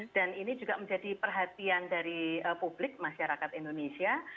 dan ini juga menjadi perhatian dari publik masyarakat indonesia